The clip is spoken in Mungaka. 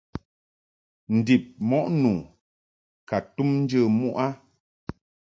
Ndib mɔʼ nu ka tum njə muʼ a.